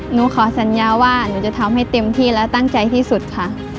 หนูขอสัญญาว่าหนูจะทำให้เต็มที่และตั้งใจที่สุดค่ะ